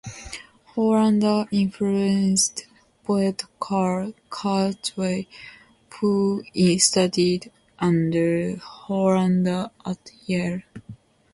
Hollander influenced poet Karl Kirchwey, who studied under Hollander at Yale.